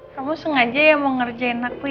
kamu sengaja ya mau ngerjain aku